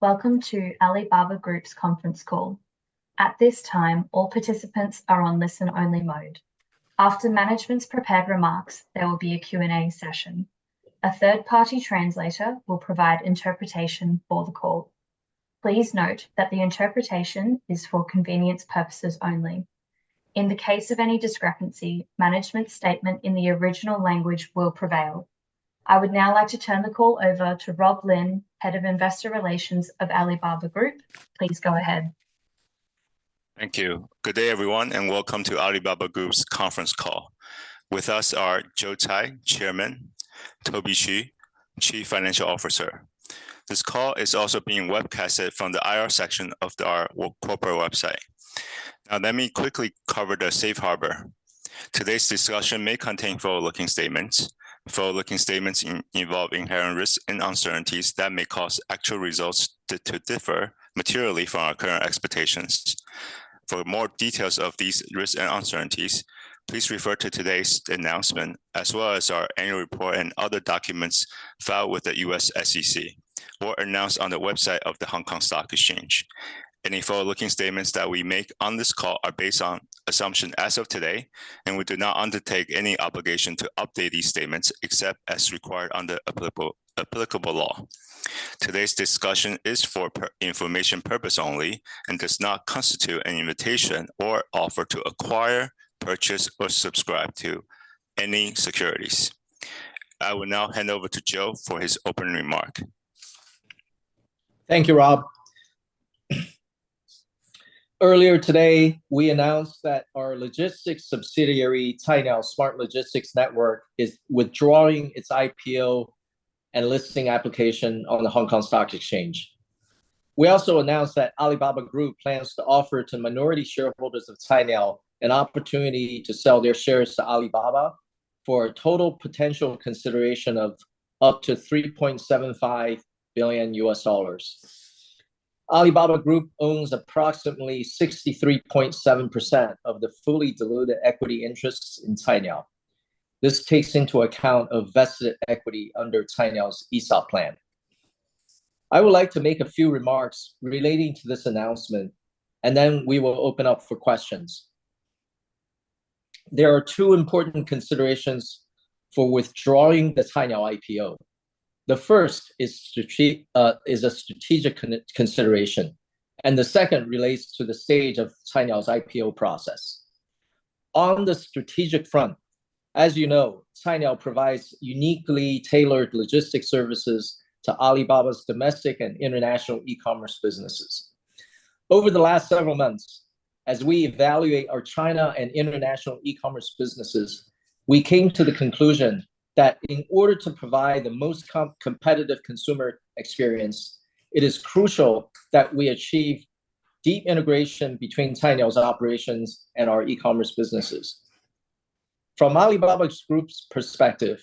Welcome to Alibaba Group's conference call. At this time, all participants are on listen-only mode. After management's prepared remarks, there will be a Q&A session. A third-party translator will provide interpretation for the call. Please note that the interpretation is for convenience purposes only. In the case of any discrepancy, management's statement in the original language will prevail. I would now like to turn the call over to Rob Lin, Head of Investor Relations of Alibaba Group. Please go ahead. Thank you. Good day, everyone, and welcome to Alibaba Group's conference call. With us are Joe Tsai, Chairman, Toby Xu, Chief Financial Officer. This call is also being webcasted from the IR section of our corporate website. Now, let me quickly cover the safe harbor. Today's discussion may contain forward-looking statements, forward-looking statements involving inherent risks and uncertainties that may cause actual results to differ materially from our current expectations. For more details of these risks and uncertainties, please refer to today's announcement as well as our annual report and other documents filed with the U.S. SEC or announced on the website of the Hong Kong Stock Exchange. Any forward-looking statements that we make on this call are based on assumption as of today, and we do not undertake any obligation to update these statements except as required under applicable law. Today's discussion is for information purpose only and does not constitute an invitation or offer to acquire, purchase, or subscribe to any securities. I will now hand over to Joe for his opening remark. Thank you, Rob. Earlier today, we announced that our logistics subsidiary, Cainiao Smart Logistics Network, is withdrawing its IPO and listing application on the Hong Kong Stock Exchange. We also announced that Alibaba Group plans to offer to minority shareholders of Cainiao an opportunity to sell their shares to Alibaba for a total potential consideration of up to $3.75 billion. Alibaba Group owns approximately 63.7% of the fully diluted equity interests in Cainiao. This takes into account a vested equity under Cainiao's ESOP plan. I would like to make a few remarks relating to this announcement, and then we will open up for questions. There are two important considerations for withdrawing the Cainiao IPO. The first is a strategic consideration, and the second relates to the stage of Cainiao's IPO process. On the strategic front, as you know, Cainiao provides uniquely tailored logistics services to Alibaba's domestic and international e-commerce businesses. Over the last several months, as we evaluate our China and international e-commerce businesses, we came to the conclusion that in order to provide the most competitive consumer experience, it is crucial that we achieve deep integration between Cainiao's operations and our e-commerce businesses. From Alibaba Group's perspective,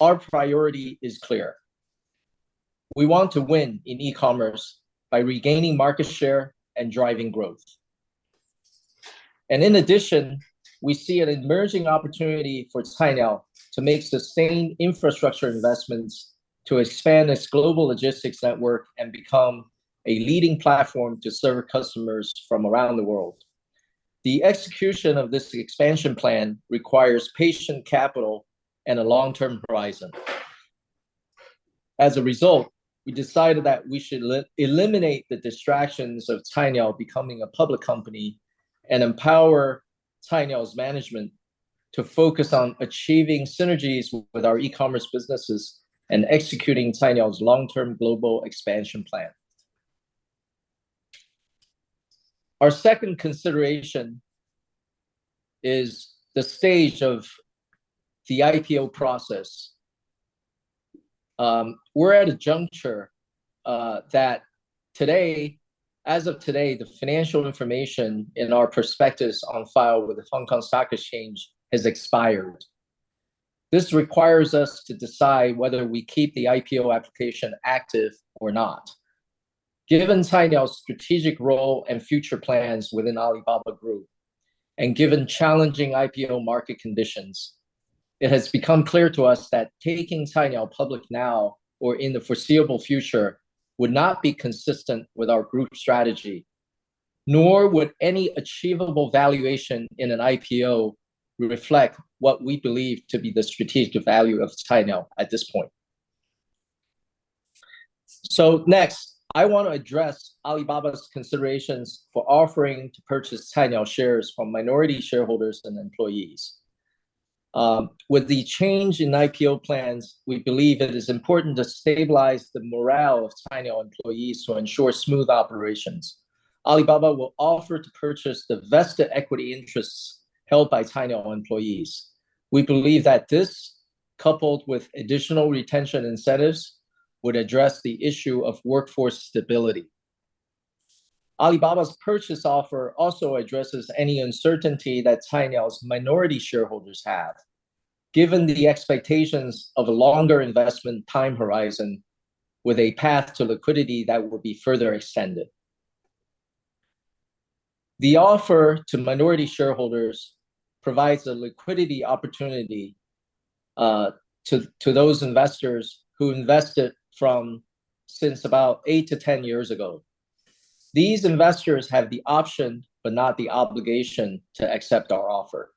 our priority is clear. We want to win in e-commerce by regaining market share and driving growth. In addition, we see an emerging opportunity for Cainiao to make sustained infrastructure investments to expand its global logistics network and become a leading platform to serve customers from around the world. The execution of this expansion plan requires patient capital and a long-term horizon. As a result, we decided that we should eliminate the distractions of Cainiao becoming a public company and empower Cainiao's management to focus on achieving synergies with our e-commerce businesses and executing Cainiao's long-term global expansion plan. Our second consideration is the stage of the IPO process. We're at a juncture that today, as of today, the financial information in our prospectus on file with the Hong Kong Stock Exchange has expired. This requires us to decide whether we keep the IPO application active or not. Given Cainiao's strategic role and future plans within Alibaba Group, and given challenging IPO market conditions, it has become clear to us that taking Cainiao public now or in the foreseeable future would not be consistent with our group strategy, nor would any achievable valuation in an IPO reflect what we believe to be the strategic value of Cainiao at this point. So next, I want to address Alibaba's considerations for offering to purchase Cainiao shares from minority shareholders and employees. With the change in IPO plans, we believe it is important to stabilize the morale of Cainiao employees to ensure smooth operations. Alibaba will offer to purchase the vested equity interests held by Cainiao employees. We believe that this, coupled with additional retention incentives, would address the issue of workforce stability. Alibaba's purchase offer also addresses any uncertainty that Cainiao's minority shareholders have, given the expectations of a longer investment time horizon with a path to liquidity that will be further extended. The offer to minority shareholders provides a liquidity opportunity to those investors who invested since about 8-10 years ago. These investors have the option but not the obligation to accept our offer.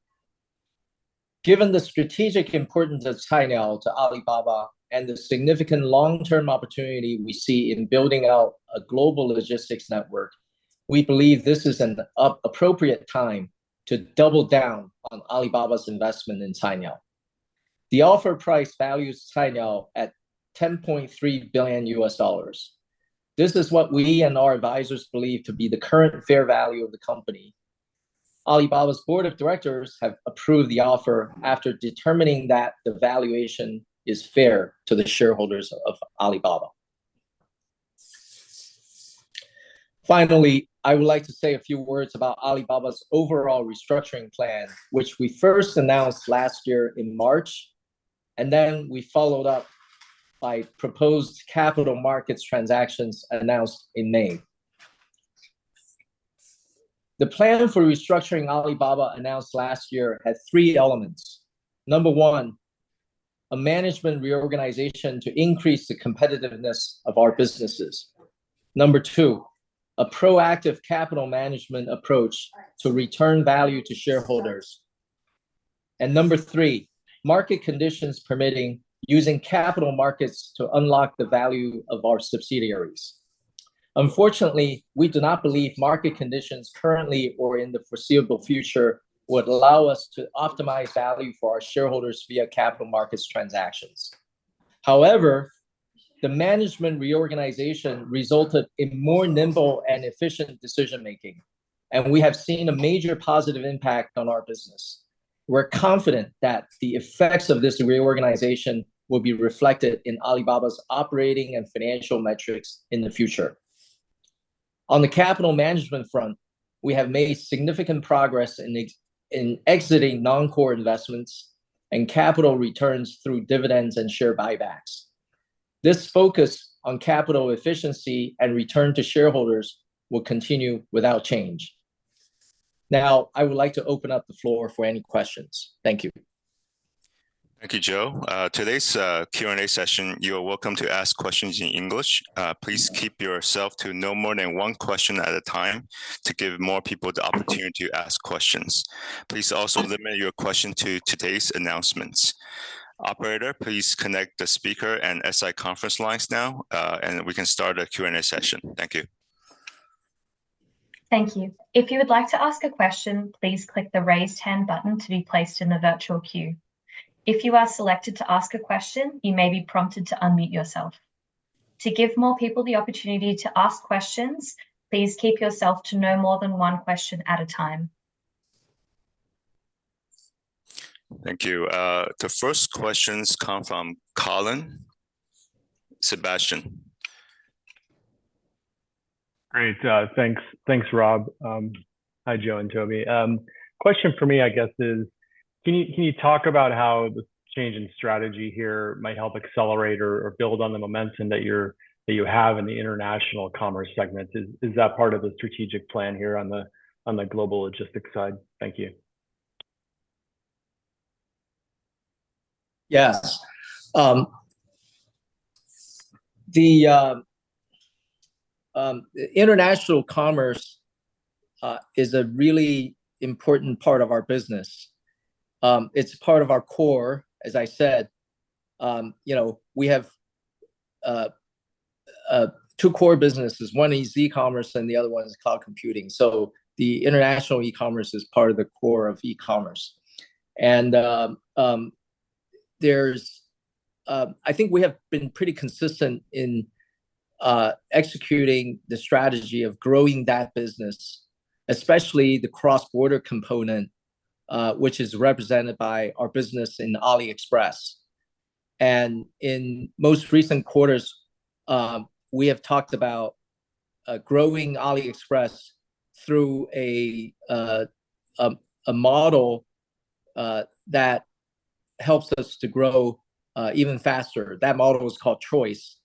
Given the strategic importance of Cainiao to Alibaba and the significant long-term opportunity we see in building out a global logistics network, we believe this is an appropriate time to double down on Alibaba's investment in Cainiao. The offer price values Cainiao at $10.3 billion. This is what we and our advisors believe to be the current fair value of the company. Alibaba's board of directors have approved the offer after determining that the valuation is fair to the shareholders of Alibaba. Finally, I would like to say a few words about Alibaba's overall restructuring plan, which we first announced last year in March, and then we followed up by proposed capital markets transactions announced in May. The plan for restructuring Alibaba announced last year had three elements. Number one, a management reorganization to increase the competitiveness of our businesses. Number 2, a proactive capital management approach to return value to shareholders. And number 3, market conditions permitting using capital markets to unlock the value of our subsidiaries. Unfortunately, we do not believe market conditions currently or in the foreseeable future would allow us to optimize value for our shareholders via capital markets transactions. However, the management reorganization resulted in more nimble and efficient decision-making, and we have seen a major positive impact on our business. We're confident that the effects of this reorganization will be reflected in Alibaba's operating and financial metrics in the future. On the capital management front, we have made significant progress in exiting non-core investments and capital returns through dividends and share buybacks. This focus on capital efficiency and return to shareholders will continue without change. Now, I would like to open up the floor for any questions. Thank you. Thank you, Joe. Today's Q&A session, you are welcome to ask questions in English. Please keep yourself to no more than one question at a time to give more people the opportunity to ask questions. Please also limit your questions to today's announcements. Operator, please connect the speaker and SI conference lines now, and we can start a Q&A session. Thank you. Thank you. If you would like to ask a question, please click the raised hand button to be placed in the virtual queue. If you are selected to ask a question, you may be prompted to unmute yourself. To give more people the opportunity to ask questions, please keep yourself to no more than one question at a time. Thank you. The first questions come from Colin Sebastian. Great. Thanks, Rob. Hi, Joe and Toby. Question for me, I guess, is can you talk about how the change in strategy here might help accelerate or build on the momentum that you have in the international commerce segment? Is that part of the strategic plan here on the global logistics side? Thank you. Yes. The international commerce is a really important part of our business. It's part of our core, as I said. We have two core businesses. One is e-commerce, and the other one is cloud computing. So the international e-commerce is part of the core of e-commerce. And I think we have been pretty consistent in executing the strategy of growing that business, especially the cross-border component, which is represented by our business in AliExpress. And in most recent quarters, we have talked about growing AliExpress through a model that helps us to grow even faster. That model is called Choice,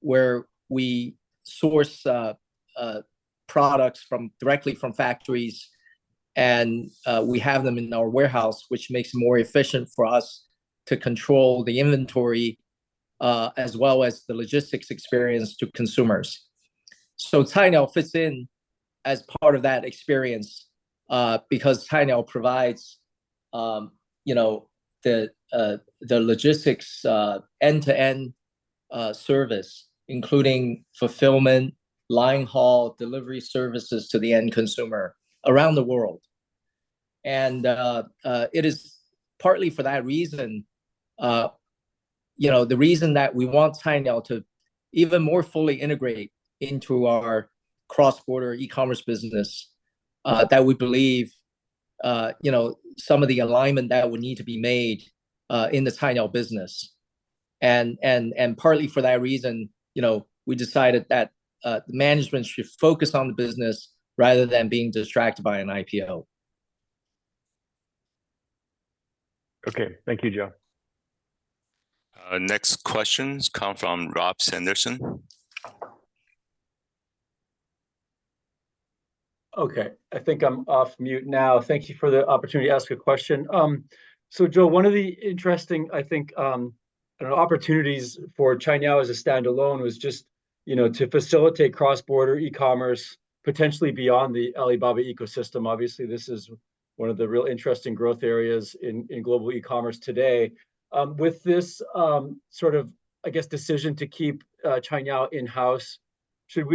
where we source products directly from factories, and we have them in our warehouse, which makes it more efficient for us to control the inventory as well as the logistics experience to consumers. So Cainiao fits in as part of that experience because Cainiao provides the logistics end-to-end service, including fulfillment, line haul, delivery services to the end consumer around the world. It is partly for that reason, the reason that we want Cainiao to even more fully integrate into our cross-border e-commerce business, that we believe some of the alignment that would need to be made in the Cainiao business. Partly for that reason, we decided that the management should focus on the business rather than being distracted by an IPO. Okay. Thank you, Joe. Next questions come from Rob Sanderson. Okay. I think I'm off mute now. Thank you for the opportunity to ask a question. So, Joe, one of the interesting, I think, opportunities for Cainiao as a standalone was just to facilitate cross-border e-commerce, potentially beyond the Alibaba ecosystem. Obviously, this is one of the real interesting growth areas in global e-commerce today. With this sort of, I guess, decision to keep Cainiao in-house, should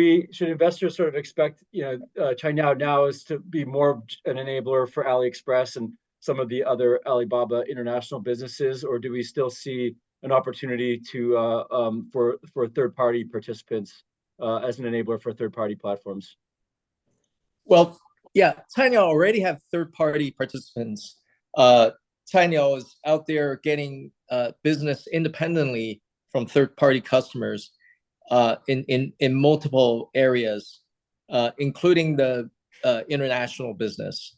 investors sort of expect Cainiao now to be more of an enabler for AliExpress and some of the other Alibaba international businesses, or do we still see an opportunity for third-party participants as an enabler for third-party platforms? Well, yeah, Cainiao already have third-party participants. Cainiao is out there getting business independently from third-party customers in multiple areas, including the international business.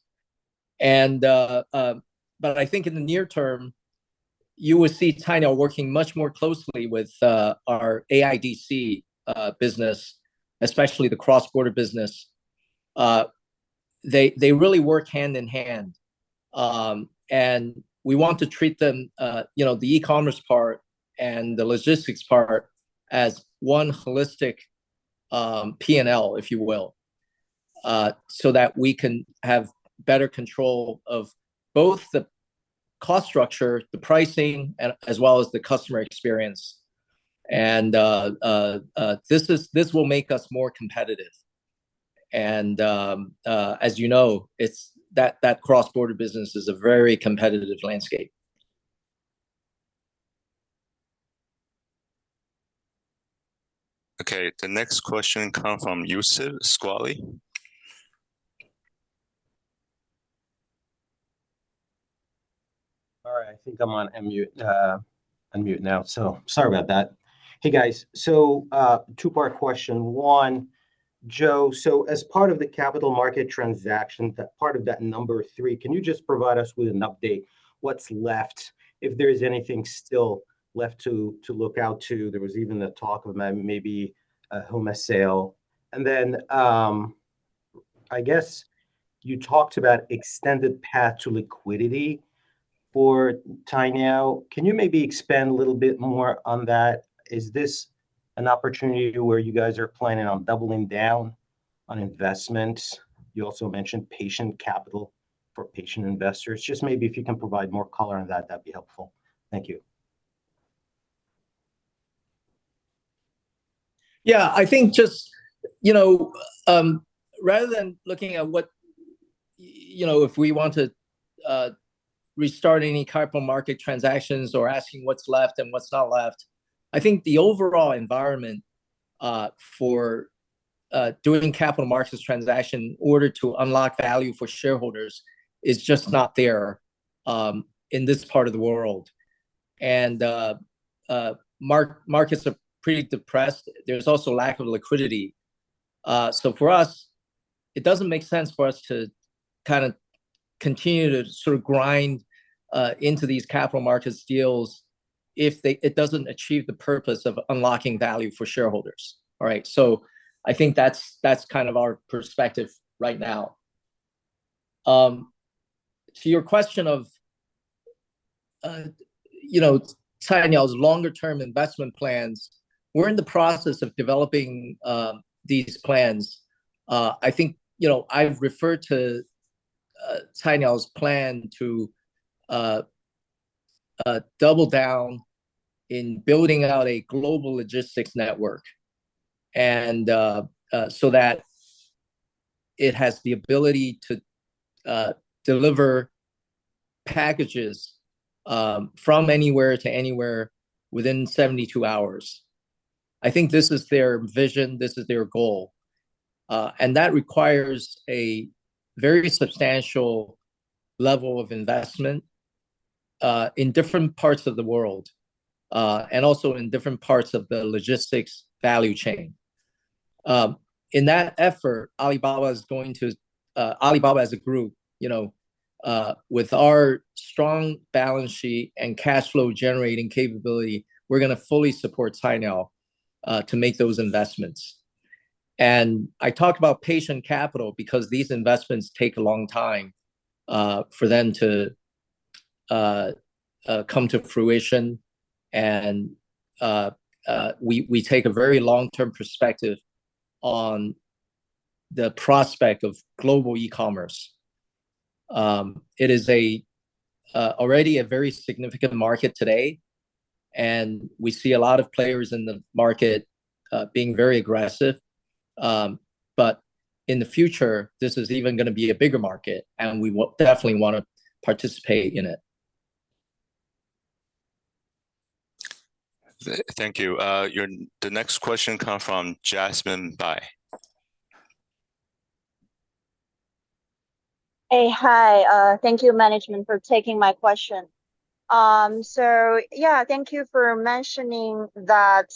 But I think in the near term, you will see Cainiao working much more closely with our AIDC business, especially the cross-border business. They really work hand in hand. We want to treat the e-commerce part and the logistics part as one holistic P&L, if you will, so that we can have better control of both the cost structure, the pricing, as well as the customer experience. This will make us more competitive. As you know, that cross-border business is a very competitive landscape. Okay. The next question comes from Youssef Squali. All right. I think I'm on unmute now. So sorry about that. Hey, guys. So two-part question. One, Joe, so as part of the capital market transaction, part of that number three, can you just provide us with an update? What's left? If there is anything still left to look out to. There was even the talk of maybe a Freshippo sale. And then I guess you talked about extended path to liquidity for Cainiao. Can you maybe expand a little bit more on that? Is this an opportunity where you guys are planning on doubling down on investments? You also mentioned patient capital for patient investors. Just maybe if you can provide more color on that, that'd be helpful. Thank you. Yeah. I think just rather than looking at what if we want to restart any capital market transactions or asking what's left and what's not left, I think the overall environment for doing capital markets transaction in order to unlock value for shareholders is just not there in this part of the world. And markets are pretty depressed. There's also lack of liquidity. So for us, it doesn't make sense for us to kind of continue to sort of grind into these capital markets deals if it doesn't achieve the purpose of unlocking value for shareholders, all right? So I think that's kind of our perspective right now. To your question of Cainiao's longer-term investment plans, we're in the process of developing these plans. I think I've referred to Cainiao's plan to double down in building out a global logistics network so that it has the ability to deliver packages from anywhere to anywhere within 72 hours. I think this is their vision. This is their goal. That requires a very substantial level of investment in different parts of the world and also in different parts of the logistics value chain. In that effort, Alibaba is going to Alibaba as a group, with our strong balance sheet and cash flow-generating capability, we're going to fully support Cainiao to make those investments. I talk about patient capital because these investments take a long time for them to come to fruition. We take a very long-term perspective on the prospect of global e-commerce. It is already a very significant market today. We see a lot of players in the market being very aggressive. In the future, this is even going to be a bigger market, and we definitely want to participate in it. Thank you. The next question comes from Jasmine Bai. Hey. Hi. Thank you, management, for taking my question. So yeah, thank you for mentioning that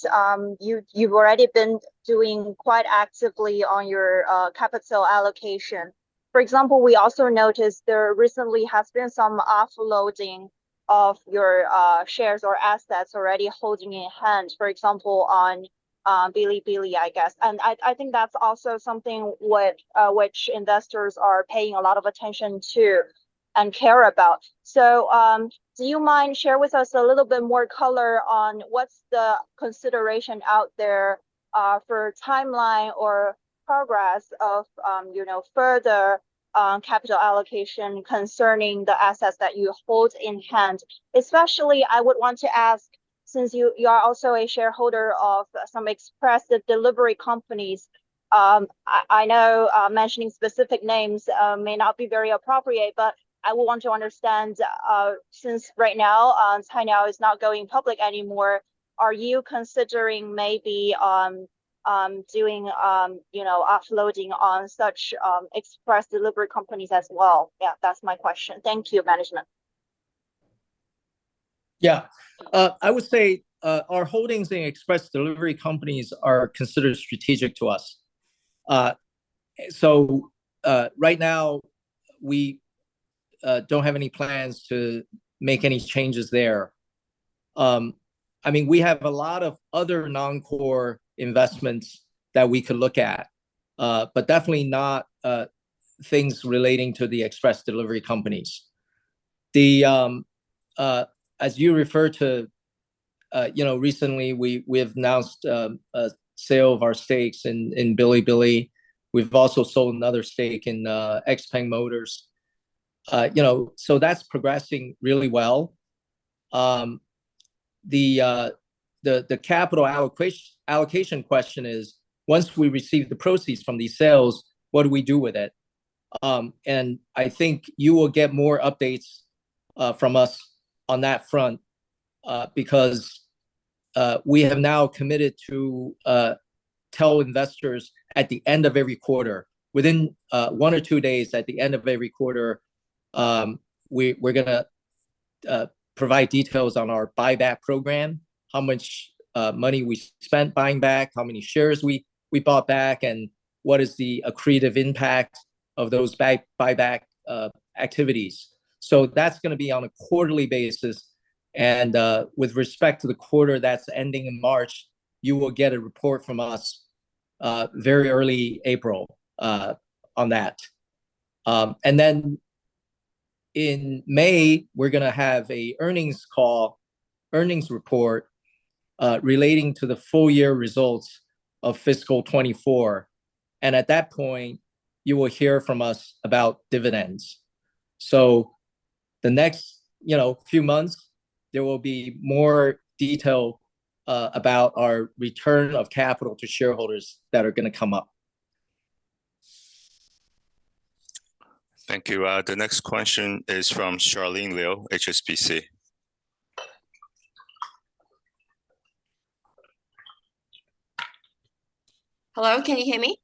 you've already been doing quite actively on your capital allocation. For example, we also noticed there recently has been some offloading of your shares or assets already holding in hand, for example, on Bilibili, I guess. And I think that's also something which investors are paying a lot of attention to and care about. So do you mind sharing with us a little bit more color on what's the consideration out there for timeline or progress of further capital allocation concerning the assets that you hold in hand? Especially, I would want to ask, since you are also a shareholder of some express delivery companies, I know mentioning specific names may not be very appropriate, but I would want to understand, since right now, Cainiao is not going public anymore, are you considering maybe doing offloading on such express delivery companies as well? Yeah, that's my question. Thank you, management. Yeah. I would say our holdings in express delivery companies are considered strategic to us. So right now, we don't have any plans to make any changes there. I mean, we have a lot of other non-core investments that we could look at, but definitely not things relating to the express delivery companies. As you referred to recently, we have announced a sale of our stakes in Bilibili. We've also sold another stake in XPeng. So that's progressing really well. The capital allocation question is, once we receive the proceeds from these sales, what do we do with it? I think you will get more updates from us on that front because we have now committed to tell investors at the end of every quarter, within one or two days at the end of every quarter, we're going to provide details on our buyback program, how much money we spent buying back, how many shares we bought back, and what is the accretive impact of those buyback activities. That's going to be on a quarterly basis. With respect to the quarter that's ending in March, you will get a report from us very early April on that. Then in May, we're going to have an earnings report relating to the full-year results of fiscal 2024. At that point, you will hear from us about dividends. The next few months, there will be more detail about our return of capital to shareholders that are going to come up. Thank you. The next question is from Charlene Liu, HSBC. Hello. Can you hear me?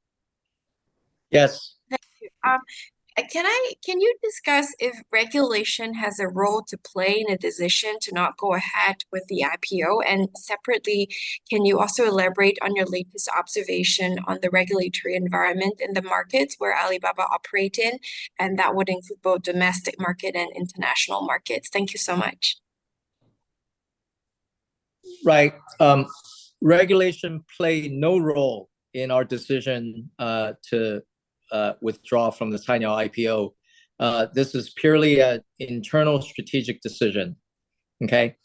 Yes. Thank you. Can you discuss if regulation has a role to play in a decision to not go ahead with the IPO? And separately, can you also elaborate on your latest observation on the regulatory environment in the markets where Alibaba operates in? That would include both domestic market and international markets. Thank you so much. Right. Regulation plays no role in our decision to withdraw from the Cainiao IPO. This is purely an internal strategic decision, okay?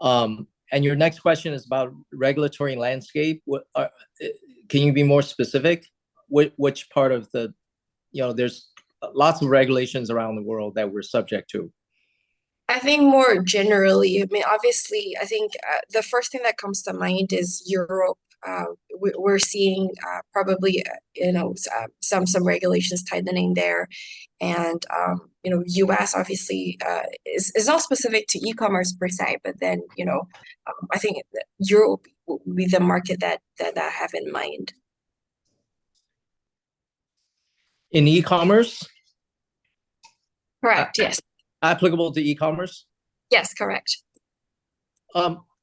And your next question is about regulatory landscape. Can you be more specific? Which part of the? There's lots of regulations around the world that we're subject to. I think more generally. I mean, obviously, I think the first thing that comes to mind is Europe. We're seeing probably some regulations tightening there. U.S., obviously, is not specific to e-commerce per se, but then I think Europe will be the market that I have in mind. In e-commerce? Correct. Yes. Applicable to e-commerce? Yes. Correct.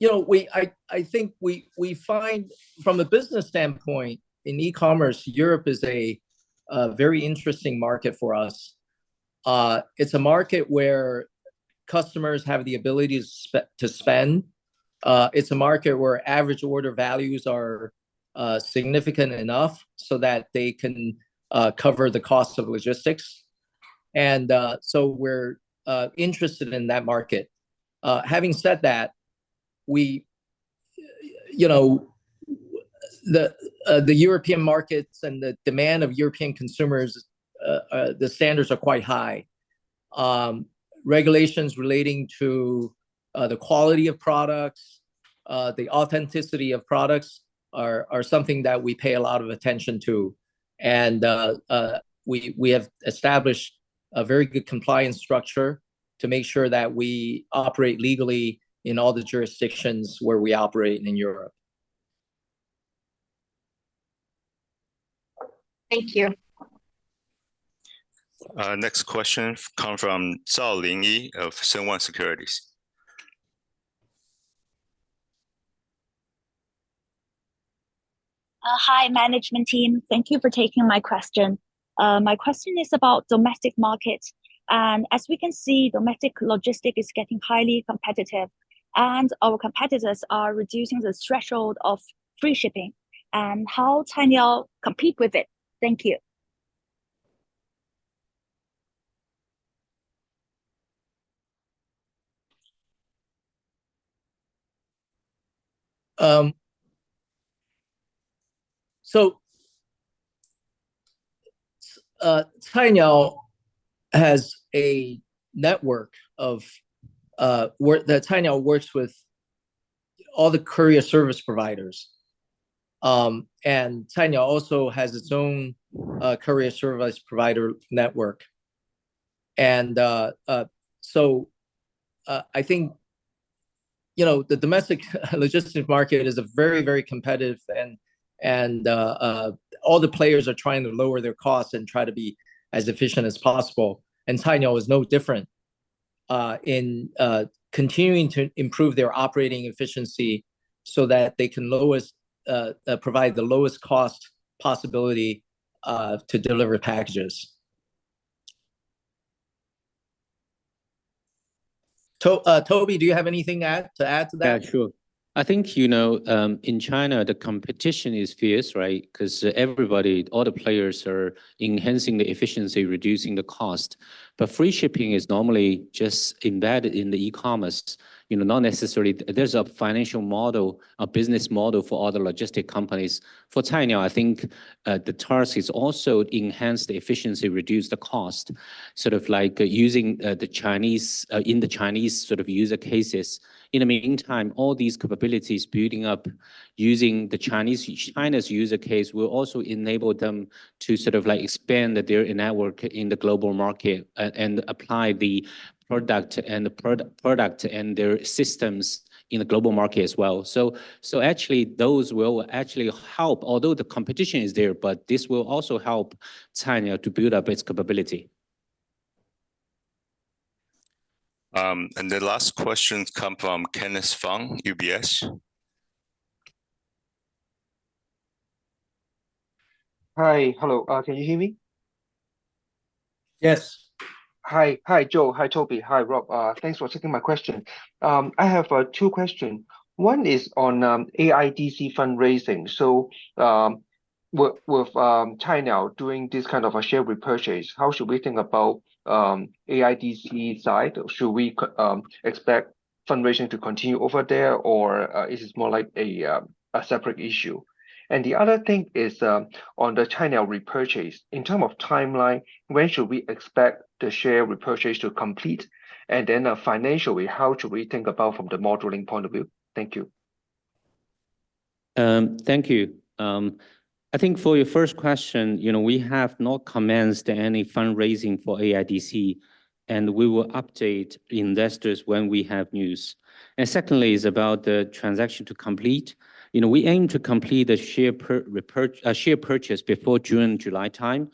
I think we find, from a business standpoint, in e-commerce, Europe is a very interesting market for us. It's a market where customers have the ability to spend. It's a market where average order values are significant enough so that they can cover the cost of logistics. And so we're interested in that market. Having said that, the European markets and the demand of European consumers, the standards are quite high. Regulations relating to the quality of products, the authenticity of products are something that we pay a lot of attention to. And we have established a very good compliance structure to make sure that we operate legally in all the jurisdictions where we operate in Europe. Thank you. Next question comes from Lingyi Zhao of Shenwan Securities. Hi, management team. Thank you for taking my question. My question is about domestic markets. As we can see, domestic logistics is getting highly competitive, and our competitors are reducing the threshold of free shipping. How can Cainiao compete with it? Thank you. So Cainiao has a network that Cainiao works with all the courier service providers. Cainiao also has its own courier service provider network. I think the domestic logistics market is very, very competitive, and all the players are trying to lower their costs and try to be as efficient as possible. Cainiao is no different in continuing to improve their operating efficiency so that they can provide the lowest cost possibility to deliver packages. Toby, do you have anything to add to that? Yeah. Sure. I think in China, the competition is fierce, right? Because all the players are enhancing the efficiency, reducing the cost. But free shipping is normally just embedded in the e-commerce. There's a financial model, a business model for all the logistic companies. For Cainiao, I think the task is also to enhance the efficiency, reduce the cost, sort of like using the Chinese in the Chinese sort of user cases. In the meantime, all these capabilities building up using China's user case will also enable them to sort of expand their network in the global market and apply the product and their systems in the global market as well. So actually, those will actually help, although the competition is there, but this will also help Cainiao to build up its capability. And the last question comes from Kenneth Fung, UBS. Hi. Hello. Can you hear me? Yes. Hi. Hi, Joe. Hi, Toby. Hi, Rob. Thanks for taking my question. I have two questions. One is on AIDC fundraising. So with Cainiao doing this kind of a share repurchase, how should we think about AIDC side? Should we expect fundraising to continue over there, or is it more like a separate issue? And the other thing is on the Cainiao repurchase. In terms of timeline, when should we expect the share repurchase to complete? And then financially, how should we think about it from the modeling point of view? Thank you. Thank you. I think for your first question, we have not commenced any fundraising for AIDC, and we will update investors when we have news. Secondly, it's about the transaction to complete. We aim to complete the share purchase before June and July time,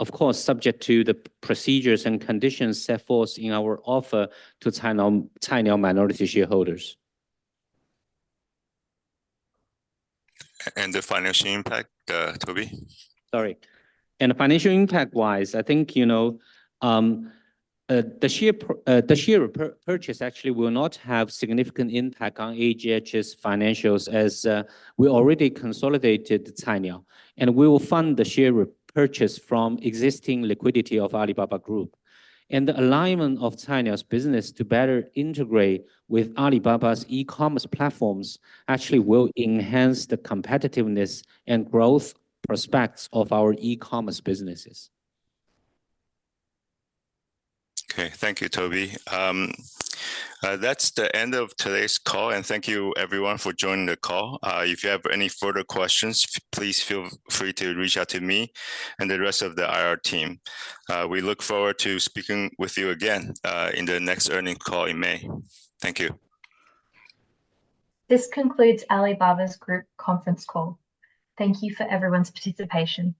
of course, subject to the procedures and conditions set forth in our offer to Cainiao minority shareholders. The financial impact, Toby? Sorry. Financial impact-wise, I think the share purchase actually will not have significant impact on Alibaba's financials as we already consolidated Cainiao. We will fund the share repurchase from existing liquidity of Alibaba Group. The alignment of Cainiao's business to better integrate with Alibaba's e-commerce platforms actually will enhance the competitiveness and growth prospects of our e-commerce businesses. Okay. Thank you, Toby. That's the end of today's call. Thank you, everyone, for joining the call. If you have any further questions, please feel free to reach out to me and the rest of the IR team. We look forward to speaking with you again in the next earnings call in May. Thank you. This concludes Alibaba's group conference call. Thank you for everyone's participation.